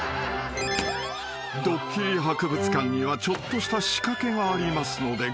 ［ドッキリ博物館にはちょっとした仕掛けがありますのでご注意を］